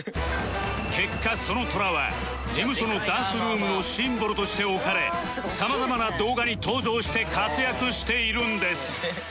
結果そのトラは事務所のダンスルームのシンボルとして置かれさまざまな動画に登場して活躍しているんです